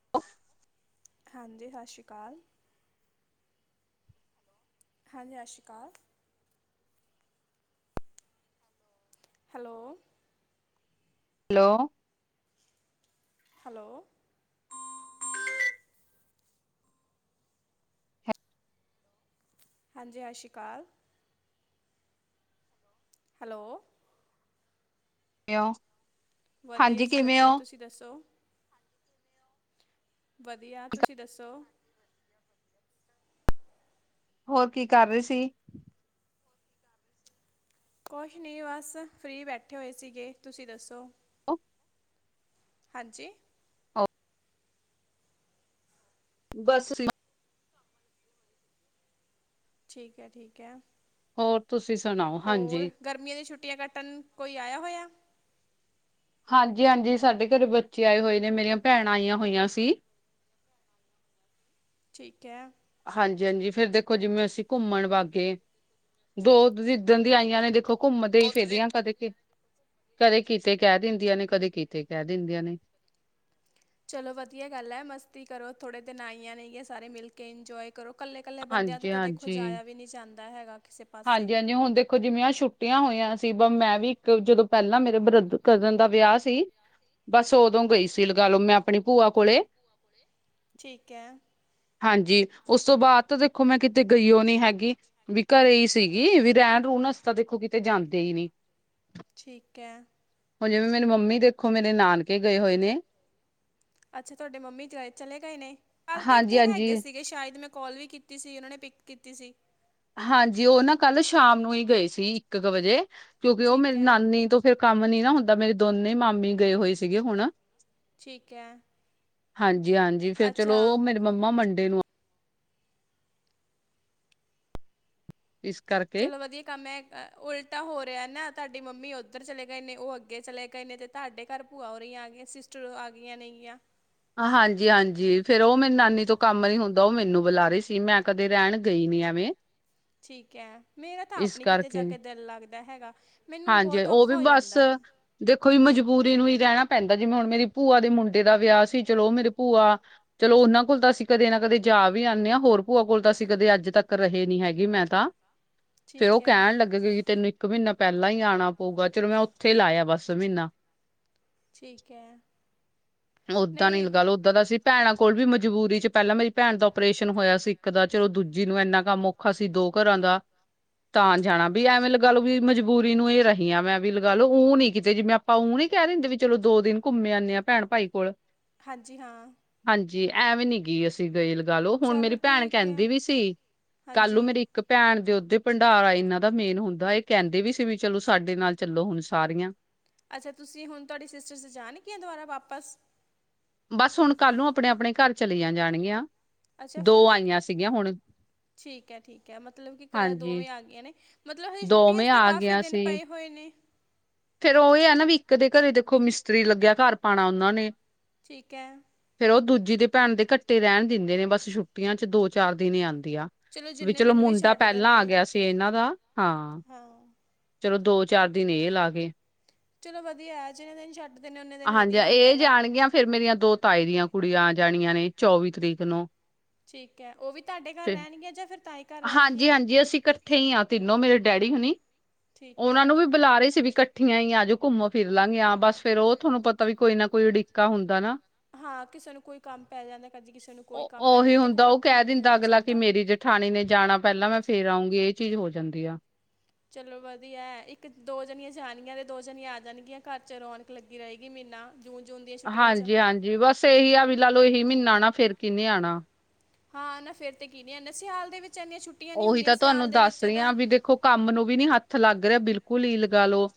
[unintelligible] ਹਾਂਜੀ, ਸਤਿ ਸ਼੍ਰੀ ਅਕਾਲ। ਹਾਂਜੀ, ਸਤਿ ਸ਼੍ਰੀ ਅਕਾਲ। ਹੈਲੋ। ਹੈਲੋ। ਹੈਲੋ। ਹਾਂਜੀ, ਸਤਿ ਸ਼੍ਰੀ ਅਕਾਲ। ਹੈਲੋ। ਕਿਵੇਂ ਓ? ਵਧੀਆ ਜੀ, ਵਧੀਆ। ਤੁਸੀਂ ਦੱਸੋ? ਵਧੀਆ, ਤੁਸੀਂ ਦੱਸੋ? ਹੋਰ, ਕੀ ਕਰ ਰਹੇ ਸੀ? ਕੁਛ ਨਹੀਂ, ਬਸ ਫ੍ਰਰੀ ਬੈਠੇ ਹੋਏ ਸੀਗੇ। ਤੁਸੀਂ ਦੱਸੋ? ਓ ਹ ਹਾਂਜੀ। ਹਾਂ। ਬਸ ਤੁਸੀਂ। ਠੀਕ ਹੈ-ਠੀਕ ਹੈ। ਹੋਰ ਤੁਸੀਂ ਸੁਣਾਓ? ਹੋਰ ਹਾਂਜੀ। ਗਰਮੀਆਂ ਦੀ ਛੁੱਟੀਆਂ ਕੱਟਨ, ਕੋਈ ਆਇਆ ਹੋਇਆ। ਹਾਂਜੀ- ਹਾਂਜੀ ਸਾਡੇ ਘਰੇ ਬੱਚੇ ਆਏ ਹੋਏ ਨੇ, ਮੇਰੀਆਂ ਭੈਣਾਂ ਆਈਆਂ ਹੋਈਆਂ ਸੀ। ਠੀਕ ਹੈ। ਹਾਂਜੀ-ਹਾਂਜੀ ਫੇਰ ਦੇਖੋ ਜਿਵੇਂ-ਅਸੀਂ ਘੁੰਮਣ ਬਾਹ ਗੇ। ਦੋ ਜਿੱਧਣ ਦੀਆਂ ਆਈਆਂ ਨੇ ਦੇਖੋ। ਘੁੰਮਦੇ ਹੀ ਫਿਰਦੀਆਂ। ਕਦੇ, ਕਦੇ ਕਿਤੇ ਕਹਿ ਦਿੰਦੀਆਂ ਨੇ, ਕਦੇ ਕਿਤੇ ਕਹਿ ਦਿੰਦੀਆਂ ਨੇ। ਚਲੋ ਵਧੀਆ ਗੱਲ ਹੈ। ਮਸਤੀ ਕਰੋ, ਥੋੜੇ ਦਿਨ ਆਈਆਂ ਨੇਗੀਆਂ ਸਾਰੇ ਮਿਲ ਕੇ ਇੰਜੋਏ ਕਰੋ ਕੱਲੇ-ਕੱਲੇ ਬੰਦਿਆਂ ਤੋਂ ਤਾਂ ਦੇਖੋ ਹਾਂਜੀ-ਹਾਂਜੀ। ਜਾਇਆ ਵੀ ਨਹੀਂ ਜਾਂਦਾ ਹੈਗਾ। ਕਿਸੇ ਪਾਸੇ ਹਾਂਜੀ-ਹਾਂਜੀ ਹੁਣ ਦੇਖੋ ਜਿਵੇ ਆਂ ਛੁੱਟੀਆਂ ਹੋਈਆਂ ਸੀ ਬ ਮੈਂ ਵੀ ਇੱਕ ਜਦੋਂ ਪਹਿਲਾਂ ਮੇਰੇ ਬ੍ਰ ਕਜ਼ਨ ਦਾ ਵਿਆਹ ਸੀ। ਬਸ, ਉਦੋਂ ਗਈ ਸੀ ਲਗਾ ਲੋ, ਮੈਂ ਆਪਣੀ ਭੂਆ ਕੋਲੇ ਠੀਕ ਹੈ ਹਾਂਜੀ ਉਸ ਤੋਂ ਬਾਅਦ ਤਾਂ ਦੇਖੋ ਮੈਂ ਕਿਤੇ ਗਈਓ ਨੀ ਹੈਗੀ, ਵੀ ਘਰੇ ਸੀਗੀ ਵੀ ਰਹਿਣ ਰੂਣਸ ਤਾਂ ਦੇਖੋ ਕਿਤੇ ਜਾਂਦੇ ਹੀ ਨੀ। ਠੀਕ ਹੈ। ਹੁਣ ਜਿਵੇਂ- ਮੇਰੀ ਮੰਮੀ ਦੇਖੋ, ਮੇਰੇ ਨਾਨਕੇ ਗਏ ਹੋਏ ਨੇ। ਅੱਛਾ ਤੁਹਾਡੇ ਮੰਮੀ ਚਲੇ ਗਏ ਨੇ, ਕੱਲ ਤੇ ਹਾਂਜੀ ਇੱਥੇ ਹਾਂਜੀ ਹੈਗੇ ਸੀਗੇ, ਸ਼ਾਇਦ ਮੈਂ ਕੋਲ ਵੀ ਕੀਤੀ ਸੀ। ਉਹਨਾਂ ਨੇ ਪਿਕ ਕੀਤੀ ਸੀ। ਹਾਂਜੀ ਉਹ ਨਾ ਕੱਲ ਸ਼ਾਮ ਨੂੰ ਹੀ ਗਏ ਸੀ। ਇੱਕ ਕੁ ਵਜੇ ਕਿਉਂਕਿ, ਉਹ ਠੀਕ ਮੇਰੀ ਹੈ ਨਾਨੀ ਤੋਂ ਫੇਰ ਕੰਮ ਨੀ ਨਾ ਹੁੰਦਾ। ਮੇਰੇ ਦੋਨੇ ਮਾਮੀ ਗਏ ਹੋਏ ਸੀਗੇ ਹੁਣ। ਠੀਕ ਹੈ। ਹਾਂਜੀ-ਹਾਂਜੀ ਫੇਰ ਚਲੋ ਅੱਛਾ ਮੇਰੇ ਮੰਮਾ ਮੰਡੇ ਨੂੰ ਇਸ ਕਰਕੇ। ਚਲੋ ਵਧੀਆ ਕੰਮ ਹੈ, ਉਲਟਾ ਹੋ ਰਿਹਾ ਨਾ ਤੁਾਡੀ ਮੰਮੀ ਉੱਧਰ ਚਲੇ ਗਏ ਨੇ, ਉਹ ਅੱਗੇ ਚਲੇ ਗਏ ਨੇ ਤੇ ਤਾਡੇ ਕੱਰ ਭੂਆ ਹੋਰੀ ਆਗੀਆਂ, ਸਿਸਟਰ ਆ ਗਈਆਂ ਨੇਗੀਆਂ। ਹਾਂਜੀ- ਹਾਂਜੀ ਫੇਰ ਉਹ ਮੇਰੀ ਨਾਨੀ ਤੋਂ ਕੰਮ ਨੀ ਹੁੰਦਾ ਉਹ ਮੈਨੂੰ ਬੁਲਾ ਰਹੀ ਸੀ ਮੈਂ ਕਦੇ ਰਹਿਣ ਗਈ ਨੀ ਐਵੇਂ ਠੀਕ ਹੈ, ਮੇਰਾ ਤਾਂ ਆਪ ਇਸ ਣੀ ਕਿਤੇ ਜਾ ਕਰਕੇ ਕੇ ਦਿਲ ਲੱਗਦਾ ਹੈਗਾ। ਮੈਨੂੰ ਹਾਂਜੀ ਬਹੁਤ ਉਹ ਵੀ ਔਖਾ ਹੋ ਬਸ ਜਾਂਦਾ। ਦੇਖੋ ਮਜਬੂਰੀ ਨੂੰ ਹੀ ਰਹਿਣਾ ਪੈਂਦਾ ਜਿਵੇਂ ਹੁਣ ਮੇਰੀ ਪੂਆ ਦੇ ਮੁੰਡੇ ਦਾ ਵਿਆਹ ਸੀ ਚਲੋ ਮੇਰੇ ਪੂਆ। ਚਲੋ ਉਹਨਾਂ ਕੋਲ ਤਾਂ ਅਸੀਂ ਕਦੇ ਨਾ ਕਦੇ। ਜਾ ਵੀ ਆਨੇ਼ ਹਾਂ ਹੋਰ ਪੂਆ ਕੋਲ ਤਾਂ ਅਸੀਂ ਕਦੇ ਅੱਜ ਤੱਕ ਰਹੇ ਨੀ ਹੈਗੀ ਮੈਂ ਤਾਂ। ਫੇ ਉਹ ਠੀਕ ਹੈ ਕਹਿਣ ਲੱਗੇ ਗਏ ਕਿ ਤੈਨੂੰ ਇੱਕ ਮਹੀਨਾ ਪਹਿਲਾਂ ਹੀ ਆਣਾ। ਹੋਗਾ ਚਲੋ ਮੈਂ ਉੱਥੇ ਲਾਇਆ ਬਸ ਮੀਨਾ। ਠੀਕ ਹੈ ਓਦਾਂ ਨੀ ਨਹੀਂ ਗੱਲ। ਦਾਂ ਦਾ ਸੀ ਭੈਣਾਂ ਕੋਲ ਵੀ ਮਜਬੂਰੀ ਚ ਪਹਿਲਾਂ ਮੇਰੀ ਭੈਣ ਦਾ ਓਪਰੇਸ਼ਨ ਹੋਇਆ ਸੀ ਇੱਕ ਦਾ ਚਲੋ ਦੂਜੀ ਨੂੰ ਇੰਨਾ ਕੰਮ। ਅਸੀ ਦੋ ਕਰਾਂ ਦਾ। ਤਾਂ ਜਾਣਾ ਵੀ ਐਵੇਂ ਲਗਾ ਲ ਵੀ ਮਜਬੂਰੀ ਨੂੰ ਇਹ ਰਹੀ ਆ ਮੈਂ ਵੀ ਲਗਾ ਲ ਉਹ ਨੀ ਕਿਤੇ ਜਿਵੇੈਂ। ਆਪ ਉਹ ਨੀ ਕਹਿ ਦਿੰਦੇ ਵੀ ਚਲੋ ਦੋ ਦਿਨ ਘੁੰਮੇ ਆਂਦੇ ਆ ਭੈਣ ਭਾਈ ਕੋਲ। ਹਾਂਜੀ ਹਾਂ। ਹਾਂਜੀ ਐਂ ਵੀ ਨੀ ਗ ਅ। ਗਈ ਲਗਾ ਲਓ ਹੁਣ ਮੇਰੀ ਚਲੋ ਭੈਣ ਠੀਕ ਹੈ ਕਹਿੰਦੀ ਵੀ ਸੀ ਕੱਲ ਨੂੰ ਹਾਂਜੀ ਮੇਰੀ ਇੱਕ ਭੈਣ ਦੇ ਓਦੇ। ਭੰਡਾਰਾ ਇਹਨਾਂ ਦਾ ਮੇਨ ਹੁੰਦਾ ਇਹ ਕਹਿੰਦੇ ਵੀ ਸੀ ਵੀ ਚਲੋ ਸਾਡੇ ਨਾਲ ਚੱਲੋ ਹੁਣ ਸਾਰੀਆਂ। ਅੱਛਾ ਤੁਸੀਂ ਹੁਣ ਤੁਹਾਡੇ ਸਿਸਟਰ ਚ ਜਾਣਗੀਆਂ ਦੁਬਾਰਾ ਵਾਪਸ। ਬਸ ਹੁਣ ਕੱਲ ਨੂੰ ਆਪਣੇ ਆਪਣੇ ਕੱਰ ਚਲੀਆਂ ਜਾਣਗੀਆਂ ਅੱਛਾ ਦੋ ਫੁੰਦੇ ਆਈਆਂ ਸੀਗੀਆਂ ਹੁਣ। ਠੀਕ ਏ ਠੀਕ ਏ ਮਤਲਬ ਕਿ ਹਾਂਜੀ ਦੋਵੇਂ ਆ ਗਈਆਂ ਨੇ। ਮਤਲਬ ਹਜ੍ ਛੁੱਟੀਆਂ ਦੋਵੇਂ ਤੇ ਆ ਕਾਫੀ ਗਈਆਂ ਦਿਨ ਸੀ ਪਏ ਹੋਏ ਨੇ। ਫੇਰ ਉਹ ਇਹ ਹੈ ਨਾ ਵੀ ਇੱਕ ਦੇ ਘਰੇ ਦੇਖੋ ਮਿਸਤਰੀ ਲੱਗਿਆ ਘਰ ਪਾਣਾ ਉਹਨਾਂ ਨੇ। ਠੀਕ ਏ। ਫੇਰ ਉਹ ਦੂਜੀ ਦੇ ਭੈਣ ਦੇ ਕੱਟੇ ਰਹਿਣ ਦਿੰਦੇ ਨੇ ਬਸ ਛੁੱਟੀਆਂ ਚ ਦੋ ਚਾਰ ਦਿਨ ਆਂਦੀ ਆ। ਵੀ ਜਿੰਨੇ ਚਲੋ ਦਿਨ ਮੁੰਡਾ ਛੱਡਦੇ ਪਹਿਲਾਂ ਆ ਨੇ ਗਿਆ ਸੀ। ਤੇ ਇਹਨਾਂ ਦਾ ਹਾਂ ਚਲੋ ਦੋ ਚਾਰ ਦਿਨ ਇਹ ਲਾ ਗੇ। ਚਲੋ ਵਧੀਆ ਏ ਜਿੰਨੇ ਦਿਨ ਛੱਡਿੰਦੇ ਉਨੇ ਦਿਨ ਹਾਂਜੀ ਵਧੀਆ ਹੁੰਦਾ ਇਹ ਹੈਗਾ। ਜਾਣਗੀਆਂ ਫੇਰ ਮੇਰੀਆਂ ਦੋ ਤਾਏ ਦੀਆਂ ਕੁੜੀਆਂ ਆ ਜਾਣੀਆਂ ਨੇ ਚੌਵੀ ਤਰੀਕ ਨੂੰ। ਠੀਕ ਏ ਉਹ ਵੀ ਤੁਹਾਡੇ ਘਰ ਤੇ ਰਹਿਣਗੀਆਂ ਜਾਂ ਫਿਰ ਤਾਂ। ਹਾਂਜੀ ਹਾਂਜੀ ਅਸੀਂ ਇਕੱਠੇ ਹੀ ਹਾਂ ਤਿੰਨੋ ਮੇਰੇ ਡੈਡੀ ਹੋਣ। ਠੀਕ ਉਹਨਾ ਹੈ। ਨੂੰ ਵੀ ਬੁਲਾ ਰੇ ਸੀ ਵੀ ਇਕੱਠੀਆਂ ਹਈ ਆ ਜੋ ਘੁੰਮੋ ਫਿਰ ਲਾਂਗੇ ਬਸ ਫੇਰ ਉਹ ਤੁਹਾਨੂੰ ਪਤਾ। ਤਾਂ ਵੀ ਕੋਈ ਨਾ ਕੋਈ ਉਡੀਿੱਕਾ ਹੁੰਦਾ ਨਾ। ਹਾਂ ਕਿਸੇ ਨੂੰ ਕੋਈ ਕੰਮ ਪੈ ਜਾਂਦਾ ਕਦੀ ਕਿਸੇ ਨੂੰ ਕੋਈ ਉਹ ਕੰਮ ਪੈ ਜਾਂਦਾ ਦੇਖੋ ਇਕੱਠਿਆਂ ਨਹੀਂ ਹੋਇਆ ਜਾਂਦਾ। ਠਾਣੀ ਨੇ ਜਾਣਾ ਪਹਿਲਾਂ ਮੈਂ ਫੇਰ ਆਊਗੀ ਇਹ ਚੀਜ਼ ਹੋ ਜਾਂਦੀ ਆ। ਚਲੋ ਵਧੀਆ ਇੱਕ ਦੋ ਜਣੀਆਂ ਜਾਣਗੀਆਂ ਤੇ ਦੋ ਜਣ ਆ ਜਾਣਗੀਆਂ ਘਰ ਚ ਰੌਣਕ ਲੱਗੀ ਰਹੇਗੀ ਮਹੀਨਾ। ਜੂਨ ਜੂਨ ਦੀ। ਹਾਂਜੀ ਹਾਂਜੀ ਬਸ ਇਹੀ ਆ ਵੀ ਲਾ ਲੋ ਇਹੀ ਮਹੀਨਾ ਆਣਾ ਫੇਰ ਕਿਹਨੇ ਆਣਾ। ਹਾਂ ਨਾ ਫੇਰ ਤੇ ਕੀ ਨੀ ਆਦਾ ਸਿਆਲ ਦੇ ਵਿੱਚ ਇੰਨੀਆਂ ਛੁੱਟੀਆਂ ਨ ਉਹੀ ਹੁੰਦੀਆਂ ਤਾਂ ਸਿਆਲ ਤੁਹਾਨੂੰ ਦੇ ਦੱਸ ਵਿੱਚ ਰਹੀ ਆ ਤਾਂ। ਵੀ ਦੇਖੋ ਕੰਮ ਨੂੰ ਵੀ ਨੀ ਹੱਥ ਲੱਗ ਰਿਆ ਬਿਲਕੁਲ ਹੀ ਲਗਾ ਲੋ।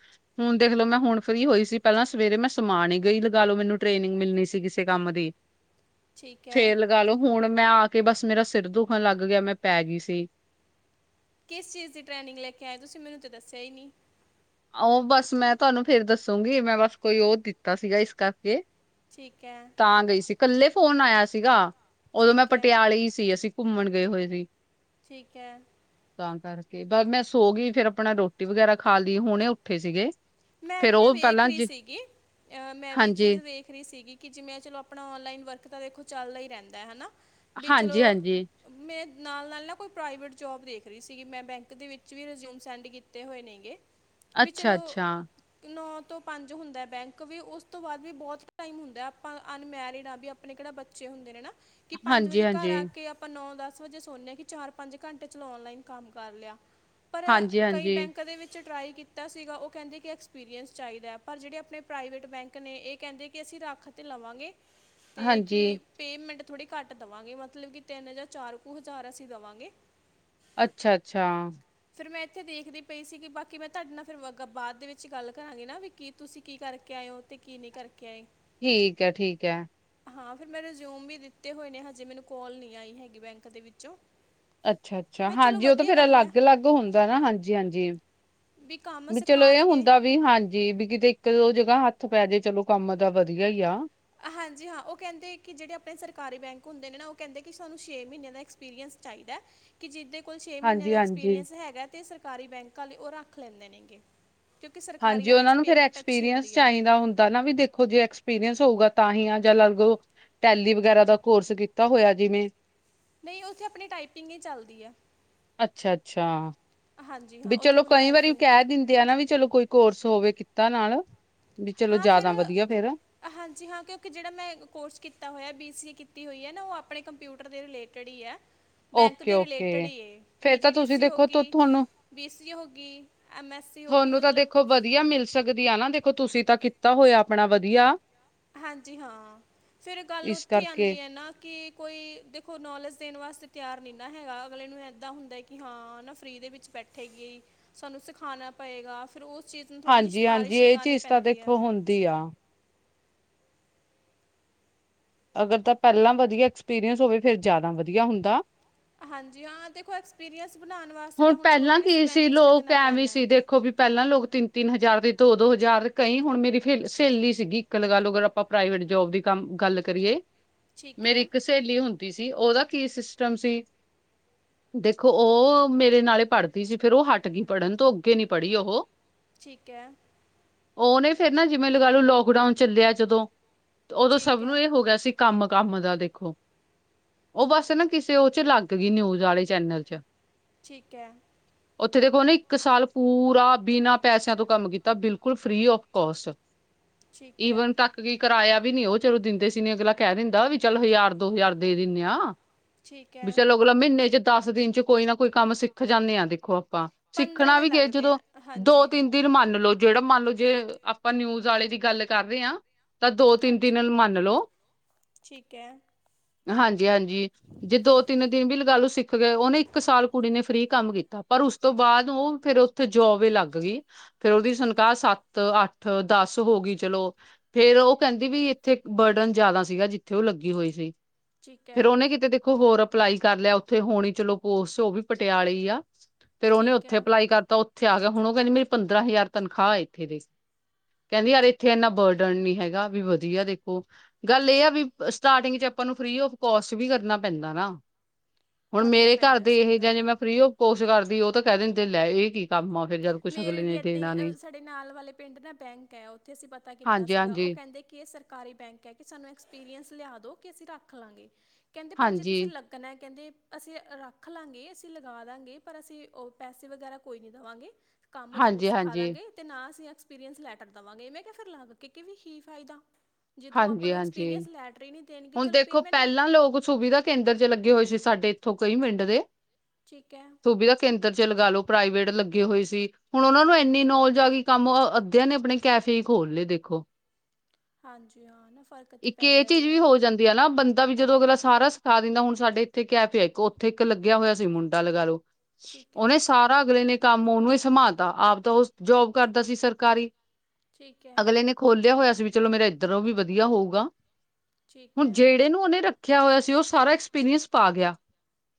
ਹੁਣ ਦੇਖਲੋ ਮੈਂ ਹੁਣ ਫਰੀ ਹੋਈ ਸੀ ਪਹਿਲਾਂ ਸਵੇਰੇ ਮੈਂ ਸਮਾਨ ਹੀ ਗਈ ਲਗਾ ਲਓ ਮੈਨੂੰ ਟ੍ਰੇਨਿੰਗ ਮਿਲਣੀ ਸੀਗੀ। ਕੰਮ ਦੀ। ਠੀਕ ਹੈ ਫੇਰ ਲਗਾ ਲੋ ਹੁਣ ਮੈਂ ਆ ਕੇ ਬਸ ਮੇਰਾ ਸਿਰ ਦੁਖਣ ਲੱਗ ਗਿਆ ਮੈਂ ਪੈ ਗੀ ਸੀ। ਕਿਸ ਚੀਜ਼ ਦੀ ਟ੍ਰੇਨਿੰਗ ਲੈ ਕੇ ਆਏ ਤੁਸੀਂ ਮੈਨੂੰ ਤਾਂ ਦੱਸਿਆ ਹੀ ਨੀ। ਉਹ ਬਸ ਮੈਂ ਤੁਾਨੂੰ ਫੇਰ ਦੱਸੂਗੀ ਮੈਂ ਬਸ ਕੋਈ ਉਹ ਦਿੱਤਾ ਸੀਗਾ ਇਸ ਕਰਕੇ। ਠੀਕ ਏ। ਤਾਂ ਗਈ ਸੀ, ਇਕੱਲੇ ਫੋਨ ਆਇਆ ਸੀਗਾ, ਉਦੋਂ ਮੈਂ ਠੀਕ ਹੈ ਪਟਿਆਲੇ ਹੀ ਸੀ, ਅਸੀਂ ਘੁੰਮਣ ਗਏ ਹੋਏ ਸੀ। ਠੀਕ ਐ। ਤਾਂ ਕਰਕੇ ਬ ਮੈਂ ਸੋ ਗਈ, ਫੇਰ ਆਪਣਾ ਰੋਟੀ ਵਗੈਰਾ ਖਾ ਲਈ, ਹੁਣੇ ਉੱਠੇ ਸੀਗੇ। ਮੈਂ ਫੇਰ ਵੀ ਨਾ ਉਹ ਵੇਖ ਪਹਿਲਾਂ ਰਹੀ ਜ ਸੀਗੀ, ਅਹ ਮੈਂ ਵੀ ਇਹ ਚੀਜ਼ ਹਾਂਜੀ, ਵੇਖ ਰਹੀ ਸੀਗੀ ਕਿ ਜਿਵੇਂ ਚਲੋਂ ਆਪਣਾ ਔਨਲਾਈਨ ਵਰਕ ਤਾਂ ਦੇਖੋ ਚੱਲਦਾ ਹੀ ਰਹਿੰਦਾ, ਹਨਾਂ ਵੀ ਚਲੋਂ ਹਾਂਜੀ-ਹਾਂਜੀ, ਮੈਂ ਨਾਲ ਨਾਲ ਨਾ ਕੋਈ ਪ੍ਰਾਈਵੇਟ ਜੋਬ ਦੇਖ ਰਹੀ ਸੀਗੀ, ਮੈਂ ਬੈਂਕ ਦੇ ਵਿੱਚ ਵੀ ਰਿਜ਼ਿਊਮ ਸੈਂਡ ਕੀ ਤੇ ਹੋਏ ਨੇ ਗੇ, ਵੀ ਚੱਲੋਂ ਅੱਛਾ-ਅੱਛਾ। ਨੌ ਤੋਂ ਪੰਜ ਹੁੰਦਾ ਬੈਂਕ ਵੀ, ਉਸ ਤੋਂ ਬਾਅਦ ਵੀ ਬਹੁਤ ਟਾਈਮ ਹੁੰਦਾ, ਆਪਾਂ ਅਨਮੈਰਿਡ ਆ ਵੀ ਆਪ ਪਣੇ ਕਿਹੜਾ ਬੱਚੇ ਹੁੰਦੇ ਨੇ ਨਾ, ਕਿ ਪੰਜ ਵਜੇ ਘਰ ਹਾਂਜੀ-ਹਾਂਜੀ, ਆ ਕੇ ਆਪ ਆਪਾਂ ਨੌ ਦਸ ਵਜੇ ਸੋਨੇ ਆ, ਕਿ ਚਾਰ-ਪੰਜ ਘੰਟੇ ਚਲੋਂ ਔਨਲਾਈਨ ਕੰਮ ਕਰ ਲਿਆ। ਪਰ ਕਈ ਹਾਂਜੀ-ਹਾਂਜੀ, ਬੈਂਕਾਂ ਦੇ ਵਿੱਚ ਟਰਾਈ ਕੀਤਾ ਸੀਗਾ, ਉਹ ਕਹਿੰਦੇ ਕਿ ਕਿ ਐਕਸਪੀਰੀਅੰਸ ਚਾਈਦਾ, ਪਰ ਜਿਹੜੇ ਆਪਣੇ ਪ੍ਰਾਈਵੇਟ ਬੈਂਕ ਨੇ ਇਹ ਕਹਿੰਦੇ ਕਿ ਅਸੀਂ ਰੱਖ ਤੇ ਲਵਾਂਗੇ ਤੇ ਕੀ ਹਾਂਜੀ, ਪੇਮੈਂਟ ਥੋੜ੍ਹੀ ਘੱਟ ਦਵਾਂਗੇ, ਮਤਲਬ ਕਿ ਤਿੰਨ ਜਾਂ ਚਾਰ ਕੁ ਹਜ਼ਾਰ ਅਸੀਂ ਦੇਵਾਂਗੇ। ਅੱਛਾ ਅੱਛਾ। ਫਿਰ ਮੈਂ ਇੱਥੇ ਦੇਖਦੀ ਪਈ ਸੀ, ਕਿ ਬਾਕੀ ਮੈਂ ਤੁਹਾਡੇ ਨਾਲ ਫਿਰ ਅ ਬਾਅਦ ਦੇ ਵਿੱ ਚੀ, ਗੱਲ ਕਰਾਂਗੇ ਨਾ, ਵੀ ਕੀ ਤੁਸੀਂ ਕੀ ਕਰਕੇ ਆਇਓ ਅਤੇ ਕੀ ਨਈਂ ਕਰਕੇ ਆਏ। ਠੀਕ ਐ, ਠੀਕ ਐ। ਹਾਂ, ਫਿਰ ਮੈਂ ਰਿਜ਼ਊਮ ਵੀ ਦਿੱਤੇ ਹੋਏ ਨੇ ਹਜੇ ਮੈਨੂੰ ਕੋਲ ਨੀ ਆਈ ਹੈਗੀ ਬੈਂਕ ਦੇ ਵਿੱਚੋਂ। ਅੱਛਾ ਅੱਛਾ, ਮੈਂ ਚਲੋ ਹਾਂਜੀ ਉਹ ਤਾਂ ਵਧੀਆ ਫੇਰ ਗੱਲ ਹੈ ਅਲੱਗ-ਅਲੱਗ ਹੁੰਦਾ ਨਾ, ਹਾਂਜੀ ਹਾਂਜੀ। ਵੀ ਕੰਮ ਸਿਖਾਣਗੇ। ਵੀ ਹਾਂਜੀ ਵੀ ਕਿਤੇ ਇੱਕ ਦੋ ਜਗ੍ਹਾ ਹੱਥ ਪੈ ਜੇ, ਚਲੋਂ ਕੰਮ ਦਾ ਵਧੀਆ ਈ ਆ। ਹਾਂਜੀ ਹਾਂ, ਉਹ ਕਹਿੰਦੇ ਕਿ ਜਿਹੜੇ ਆਪਣੇ ਸਰਕਾਰੀ ਬੈਂਕ ਹੁੰਦੇ ਨੇ ਨਾ ਉਹ ਕਹਿੰਦੇ ਕਿ ਸਾਨੂੰ ਛੇ ਮਹੀਨਿਆਂ ਦਾ ਏਕਸ ਪੀਰੀਅਸ ਚਾਈਦਾ। ਕਿ ਜਿਹਦੇ ਕੋਲ ਛੇ ਮਹੀਨਿਆਂ ਦਾ ਹਾਂਜੀ-ਹਾਂਜੀ। ਐਕਸਪੀਰੀਅੰਸ ਹੈਗਾ ਤੇ ਸਰਕਾਰੀ ਬੈਂਕ ਆਲੇ ਉਹ ਰੱਖ ਲੈਂਦੇ ਨੇਗੇ। ਕਿਉਂਕਿ ਸਰਕਾਰੀ ਹਾਂਜੀ, ਵਾਲਿਆਂ ਉਹਨਾਂ 'ਚ ਨੂੰ ਫਿਰ ਪੇਮੈਂਟ ਅੱਛੀ ਐਕਸਪੀਰੀਅੰਸ ਹੁੰਦੀ ਹੈ ਚਾਹੀਦਾਂ ਹੁੰਦਾ ਨਾ ਵੀ ਦੇ ਐਕਸਪੀਰੀੰਸ ਹੋਊਗਾ ਤਾਂ ਹੀ ਆ, ਜਾਂ ਅਲਗ ਟੈਲੀ ਵਗੈਰਾ ਦਾ ਕੋਰਸ ਕੀਤਾ ਹੋਇਆ ਜਿਵੇਂ। ਨਈਂ ਉੱਥੇ ਆਪਣੀ ਟਾਈਪਿੰਗ ਈ ਚੱਲਦੀ ਐ। ਅੱਛਾ ਅੱਛਾ। ਹਾਂਜੀ ਹਾਂ ਵੀ ਉੱਥੇ ਚਲੋਂ ਆਪਣਾ ਕਈ ਵਾਰੀ ਟਾਈਪਿੰਗ ਕਹਿ ਦਿੰਦੇ ਆ ਨਾ ਵੀ ਚਲੋਂ ਕੋਈ ਕੋਰਸ ਹੋਵੇ ਕਿੱਤਾ ਨਾਲ। ਵੀ ਚਲੋਂ ਹਾਂ ਫਿਰ ਜ਼ਿਆਦਾ ਵਧੀਆ ਫੇਰ। ਹਾਂਜੀ ਹਾਂ, ਕਿਉਂਕਿ ਜਿਹੜਾ ਮੈਂ ਕੋਰਸ ਕੀਤਾ ਹੋਇਆ ਬੀ ਸੀ ਏ ਕੀਤੀ ਹੋਈ ਐ ਨਾ, ਉਹ ਆਪਣੇ ਕੰਪਿਊਟਰ ਦੇ ਰਿਲੇਟ ਰਿਲੇਟਡ ਈ ਐ, ਬੈਂਕ ਓਕੇ ਦੇ ਰਿਲੇਟਡ ਓਕੇ ਹੀ ਐ, ਫੇਰ ਤਾਂ ਪੀਜੀਡੀ ਤੁਸੀਂ ਸੀ ਦੇਖੋ ਤੁ- ਹੋਗੀ ਤੁਹਾਨੂੰ ਬੀਸੀ ਹੋਗੀ, ਐੱਮ ਐੱਸ ਸੀ ਹੋਗੀ ਤੁਹਾਨੂੰ ਤਾਂ ਮਤਲਬ ਦੇਖੋ ਵਧੀਆ ਮਿਲ ਸਕਦੀ ਆ, ਨਾ ਦੇਖੋਂ ਤੁਸੀਂ ਤਾਂ ਕੀਤਾ ਹੋਇਆ ਆਪਣਾ ਵਧੀਆ। ਹਾਂਜੀ ਹਾਂ, ਫਿਰ ਗੱਲ ਇਸ ਉੱਥੇ ਆਦੀ ਕਰਕੇ ਐ ਨਾ ਕਿ ਕੋਈ ਦੇਖੋ ਨੌਲੇਜ ਦੇਣ ਵਾਸਤੇ ਤਿਆਰ ਨਈਂ ਨਾ ਹੈਗਾ, ਅਗਲੇ ਨੂੰ ਇਦਾਂ ਹੁੰਦਾ ਕਿ ਹਾਂ ਨਾ ਫਰੀ ਦੇ ਵਿੱਚ ਬੈਠ ਠੇ ਗੀ, ਸਾਨੂੰ ਸਿਖਾਨਾ ਪਏਗਾ, ਫਿਰ ਉਸ ਚੀਜ਼ ਨੂੰ ਥੋੜ੍ਹੀ ਜਿਹੀ ਹਾਂਜੀ ਹਾਂਜੀ ਸਿਫਾਰਸ਼ ਇਹ ਲਗਾਉਣੀ ਚੀਜ਼ ਤਾਂ ਪੈਂਦੀ ਐ। ਦੇਖੋ ਹੁੰਦੀ ਆ। ਅਗਰ ਤਾਂ ਪਹਿਲਾਂ ਵਧੀਆ ਐਕਸਪੀਰੀਅੰਸ ਹੋਵੇ, ਫਿਰ ਜ਼ਿਆਦਾ ਵਧੀਆ ਹੁੰਦਾ। ਹਾਂਜੀ ਹਾਂ ਦੇਖੋ, ਐਕਸਪੀਰੀਅੰਸ ਬਣਾਉਨ ਵਾ ਹੁਣ ਪਹਿਲਾਂ ਕੀ ਸੀ, ਲੋਕ ਐ ਵੀ ਸੀ ਹੈ। ਦੇਖੋ ਵੀ ਪਹਿਲਾਂ ਲੋਕ ਤਿੰਨ-ਤਿੰਨ ਹਜ਼ਾਰ ਦੇ, ਦੋ-ਦੋ ਹਜ਼ਾਰ ਕਈ ਹੁਣ ਮੇਰੀ ਫ ਸਹੇਲੀ ਸੀਗੀ ਇੱਕ ਲਗਾ ਲੋ ਅਗਰ ਆਪਾਂ ਪ੍ਰਾਈਵੇਟ ਜੋਬ ਦੀ ਕੰਮ ਗੱਲ ਕਰੀਏ, ਠੀਕ ਮੇਰੀ ਹੈ ਇੱਕ ਸਹੇਲੀ ਹੁਣ ਦੀ ਸੀ, ਉਹਦਾ ਕੀ ਸਿਸਟਮ ਸੀ ਦੇਖੋ ਉਹ ਮੇਰੇ ਨਾਲੇ ਪੜ੍ਹਦੀ ਸੀ ਫੇਰ ਉਹ ਹੱਟ ਗਈ ਪੜ੍ਹਨ ਤੋ ਅੱਗੇ ਨੀ ਪੜ੍ਹੀ ਉਹੋ। ਠੀਕ ਐ। ਉਹਨੇ ਫੇਰ ਨਾ ਜਿਵੇਂ ਲਗਾ ਲੋ ਲੋਕਡਾਊਨ ਚੱਲਿਆ ਜਦੋਂ ਉਦੋਂ ਸਭ ਠੀਕ ਹੈ ਨੂੰ ਇਹ ਹੋ ਗਿਆ ਸੀ, ਕੰਮ ਕੰਮ ਦਾ ਦੇਖੋਂ। ਉਹ ਬਸ ਨਾ ਕਿਸੇ ਉਹ ਚ ਲੱਗ ਗਈ ਨਿਊਜ ਵਾਲੇ ਚੈਨਲ ਚ। ਠੀਕ ਹੈ। ਉੱਥੇ ਦੇਖੋ ਨਾ ਇੱਕ ਸਾਲ ਪੂਰਾ ਬਿਨਾਂ ਪੈਸਿਆਂ ਤੋਂ ਕੰਮ ਕੀਤਾ ਬਿਲਕੁਲ ਫਰੀ ਆਫ ਕੋਸਟ ਠੀਕ ਹੈ ਈਵਨ ਤੱਕ। ਕਿਉ ਕਿਰਾਇਆ ਵੀ ਨੀ ਉਹ ਚਲੋ ਦਿੰਦੇ ਸੀ ਨ ਅਗਲਾ ਕਹਿ ਦਿੰਦਾ ਵੀ ਚੱਲ ਹਜ਼ਾਰ ਦੋ ਹਜ਼ਾਰ ਦੇ ਦਿੰਦੇ ਆ। ਠੀਕ ਹੈ ਵੀ ਚਲੋ ਅਗਲਾ ਮਹੀਨੇ ਚ ਦਸ ਦਿਨ ਚ ਕੋਈ ਨਾ ਕੋਈ ਕੰਮ ਸਿੱਖ ਜਾਂਦੇ ਆਂ ਦੇਖੋ ਆਪਾਂ ਸਿੱਖਣਾ ਦੇ ਵੀ ਕਿ ਲੱਗਦੇ ਜਦੋਂ ਆ ਦੋ ਹਾਂਜੀ ਤਿੰਨ ਦਿਨ ਮੰਨ ਲਓ ਜਿਹੜਾ ਮੰਨ ਲਓ। ਜੇ ਆਪਾਂ ਨਿਊਜ਼ ਵਾਲੇ ਦੀ ਗੱਲ ਕਰ ਰਹੇ ਹਾਂ। ਤਾਂ ਦੋ ਤਿੰਨ ਹਾਂਜੀ ਦਿਨ ਮੰਨ ਲਓ। ਠੀਕ ਹੈ ਹਾਂਜੀ ਹਾਂਜੀ ਜੇ ਦੋ ਤਿੰਨ ਦਿਨ ਵੀ ਲਗਾ ਲਓ ਸਿੱਖ ਗਏ ਉਹਨੇ ਇੱਕ ਸਾਲ ਫਰੀ ਕੰਮ ਕੀਤਾ ਪਰ ਉਸ ਤੋਂ ਬਾਅਦ ਉਹ ਫਿਰ ਉੱਥੇ ਜੋਬ ਈ ਲੱਗ ਗਈ। ਫਿਰ ਉਹਦੀ ਤਨਖਾਹ ਸੱਤ ਅੱਠ ਦਸ ਹੋ ਗਈ ਚਲੋ। ਫੇਰ ਉਹ ਕਹਿੰਦੀ ਵੀ ਇੱਥੇ ਬਰਡਨ ਜ਼ਿਆਦਾ ਸੀਗਾ ਜਿੱਥੇ ਉਹ ਲੱਗੀ ਹੋਈ ਸੀ। ਠੀਕ ਹੈ ਫੇਰ ਉਹਨੇ ਕਿਤੇ ਦੇਖੋ ਹੋਰ ਅਪਲਾਈ ਕਰ ਲਿਆ ਉੱਥੇ ਹੋਣੀ ਚਲੋ ਪੋਸਟ ਉਹ ਵੀ ਪਟਿਆਲੇ ਈ ਆ ਫਿਰ ਉਹਨੇ ਠੀਕ ਉੱਥੇ ਹੈ ਅਪਲਾਈ ਕਰਤਾ। ਇੱਥੇ ਆ ਗਿਆ ਹੁਣ ਉਹ ਕਹਿੰਦੀ ਮੇਰੀ ਪੰਦਰਾਂ ਹਜ਼ਾਰ ਤਨਖਾਹ ਆ ਇੱਥੇ ਦੇ ਕਹਿੰਦੀ ਯਾਰ ਇੱਥੇ ਇੰਨਾ ਬਰਡਨ ਨੀ ਹੈਗਾ ਵੀ ਵਧੀਆ ਦੇਖੋ। ਗੱਲ ਇਹ ਆ ਵੀ ਸਟਾਰਟਿੰਗ ਚ ਆਪਾਂ ਨੂੰ ਫਰੀ ਆਫ ਕੋਸਟ ਵੀ ਕਰਨਾ ਪੈਂਦਾ ਨਾ। ਹੁਣ ਕਰਨਾ ਮੇਰੇ ਘਰ ਪੈਂਦਾ ਦੇ ਸਹੀ ਇਹ ਜਾਂ ਗੱਲ ਜੇ ਆ ਮੈਂ ਆਫ ਕੋਸਟ ਕਰਦੀ ਉਹ ਤਾਂ ਕਹਿ ਦਿੰਦੇ ਲੈ ਇਹ ਕੀ ਕੰਮ ਆ ਫਿਰ ਜਦ ਕੁਛ ਮੇਰੇ ਅਗਲੇ ਵੀ ਨੇ ਇੱਦੇ ਦੇਣਾ ਨੀ ਈ ਸਾਡੇ ਨਾਲ ਵਾਲੇ ਪਿੰਡ ਨਾ ਬੈਂਕ ਹੈ ਉੱਥੇ ਅਸੀਂ ਪਤਾ ਕੀਤਾ ਹਾਂਜੀ ਸੀਗਾ ਹਾਂਜੀ ਉਹ ਕਹਿੰਦੇ ਕਿ ਸਰ ਘਰ ਈ ਬੈਂਕ ਹੈ ਕਿ ਸਾਨੂੰ ਐਕਸਪੀਰੀਅੰਸ ਲਿਆ ਦੋ ਕਿ ਅਸੀਂ ਰੱਖ ਲਵਾਂਗੇ ਕਹਿੰਦੇ ਪਰ ਜੇ ਹਾਂਜੀ ਤੁਸੀਂ ਲੱ ਕ ਕਹਿੰਦੇ ਅਸੀਂ ਰੱਖ ਲਾਂਗੇ ਅਸੀਂ ਲਗਾ ਦਾਂਗੇ ਪਰ ਅਸੀਂ ਉਹ ਪੈਸੇ ਵਗੈਰਾ ਕੋਈ ਨੀ। ਦਵਾਂਗੇ ਕੰਮ ਜ਼ਰੂਰ ਹਾਂਜੀ ਸਿਖਾ ਹਾਂਜੀ ਦਾਂਗੇ। ਤੇ ਨਾ ਅਸੀਂ ਐਕਸਪੀਰੀਅੰਸ ਲੈਟਰ ਦੇਵਾਂਗੇ ਮੈ ਕਿਹਾ ਫਿਰ ਲੱਗ ਕੇ ਕਿ ਕੀ ਫਾਇਦਾ ਤੇ ਜੇ ਤੂੰ ਹਾਂਜੀ ਆਪਣਾ ਹਾਂਜੀ ਐਕਸਪੀਰੀਅੰਸ ਲੈਟਰ ਹੀ ਨੀ। ਹੁਣ ਦੇਖੋ ਪਹਿਲਾਂ ਲੋਕ ਸੁਵਿਧਾ ਕੇਂਦਰ ਚ ਲੱਗੇ ਹੋਏ ਸੀ ਸਾਡੇ ਇੱਥੋਂ ਕਈ ਪਿੰਡ ਦੇ। ਠੀਕ ਹੈ। ਸੁਵਿਧਾ ਕੇਂਦਰ ਚ ਲਗਾ ਲੋ ਪ੍ਰਾਈਵੇਟ ਲੱਗੇ ਹੋਏ ਸੀ। ਹੁਣ ਉਹਨਾਂ ਨੂੰ ਇੰਨੀ ਨੌਲਜ ਆ ਗਈ ਕੰਮ ਅੱਧਿਆਂ ਨੇ ਆਪਣੇ ਕੈਫੇ ਖੋਲ ਲਏ ਦੇਖੋ। ਹਾਂਜੀ ਹਾਂ ਨਾ। ਫਰਕ ਤੇ ਇੱਕ ਇਹ ਪੈਂਦਾ ਹੀ ਚੀਜ਼ ਵੀ ਹੈ ਹੋ ਜਾਂਦੀ। ਨਾ ਬੰਦਾ ਵੀ ਜਦੋਂ ਅਗਲਾ ਸਖਾ ਦਿੰਦਾ ਹੁਣ ਸਾਡੇ ਇੱਥੇ ਕੈਫੇ ਆ ਇੱਕ ਉੱਥੇ ਇੱਕ ਲੱਗਿਆ ਹੋਇਆ ਸੀ ਮੁੰਡਾ ਲਗਾ ਲਓ। ਠੀਕ ਹੈ ਉਹਨੇ ਸਾਰਾ ਅਗਲੇ ਨੇ ਕੰਮ ਉਹਨੂੰ ਹੀ ਸੰਭਾਲਤਾ ਆਪ ਤਾਂ ਉਹ ਜੋਬ ਕਰਦਾ ਸੀ ਸਰਕਾਰੀ। ਠੀਕ ਹੈ ਅਗਲੇ ਨੇ ਖੋਲਿਆ ਹੋਇਆ ਸੀ ਵੀ ਚਲੋ ਮੇਰਾ ਇੱਧਰੋਂ ਵੀ ਵਧੀਆ ਹੋਊਗਾ। ਠੀਕ ਹੁਣ ਹੈ ਜਿਹੜੇ ਨੂੰ ਉਹਨੇ ਰੱਖਿਆ ਹੋਇਆ ਸੀ ਉਹ ਸਾਰਾ ਐਕਸਪੀਰੀਅੰਸ ਪਾ ਗਿਆ।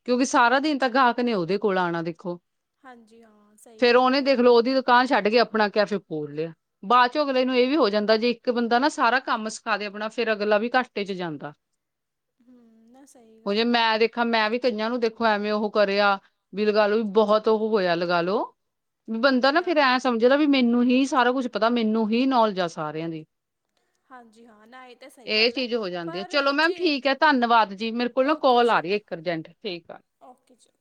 ਕਿਉਂਕਿ ਸਾਰਾ ਦਿਨ ਤਾਂ ਗਾਹਕ ਨੇ ਉਹਦੇ ਕੋਲ ਆਉਣਾ ਦੇਖੋ। ਹਾਂਜੀ ਹਾਂ ਸਹੀ ਗੱਲ ਆ ਤੁਹਾਡੀ। ਦਕਾਨ ਛੱਡ ਕੇ ਆਪਣਾ ਕੈਫੇ ਖੋਲ ਲਿਆ ਬਾਅਦ ਚ ਅਗਲੇ ਨੂੰ ਇਹ ਵੀ ਹੋ ਜਾਂਦਾ ਜੇ ਇੱਕ ਬੰਦਾ ਨਾ ਸਾਰਾ ਕੰਮ ਖਾ ਦੇ ਆਪਣਾ ਫੇਰ ਅਗਲਾ ਵੀ ਘਾਟੇ ਚ ਜਾਂਦਾ ਹੂੰ ਨਾ ਸਹੀ ਉਹ ਜੇ ਗੱਲ ਆ ਮੈਂ ਦੇਖ ਹਾਂ ਮੈਂ ਵੀ ਕਈਆਂ ਨੂੰ ਦੇਖੋ ਐਵੇਂ ਉਹ ਕਰਿਆ ਵੀ ਲਗਾ ਲੋ ਵੀ ਬਹੁਤ ਉਹ ਹੋਇਆ ਲਗਾ ਲੋ। ਵੀ ਬੰਦਾ ਹਾਂਜੀ ਨਾ ਫੇਰ ਹਾਂ ਐਂ ਸਮਝਦਾ ਵੀ ਮੈਨੂੰ ਹੀ ਸਾਰਾ ਕੁਛ ਪਤਾ ਮੈਨੂੰ ਹੀ ਨੌਲੇਜ ਆ ਸਾਰਿਆਂ ਦੀ। ਹਾਂਜੀ ਹਾਂ ਨਾ। ਤਾਂ ਸਹੀ ਇਹ ਗੱਲ ਹੈ ਚੀਜ਼ ਹੋ ਜਾਂਦੀ ਆ ਪਰ ਚਲੋ ਮੈਮ ਜੇ ਠੀਕ ਆ ਧੰਨਵਾਦ ਜੀ ਮੇਰੇ ਕੋਲ ਨਾ ਓਕੇ ਕੋਲ ਜੀ ਆ ਰਹੀ ਆ ਓਕੇ ਇੱਕ ਅਰਜੰਟ ਠੀਕ ਆ। ਓਕੇ ਜੀ।